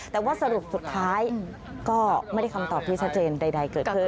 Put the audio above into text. แต่ว่าสรุปสุดท้ายก็ไม่ได้คำตอบที่ชัดเจนใดเกิดขึ้น